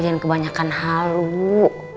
lo jangan kebanyakan hal lo